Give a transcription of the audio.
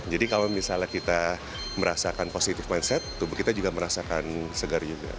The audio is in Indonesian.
jadi kalau misalnya kita merasakan positif mindset tubuh kita juga merasakan segar juga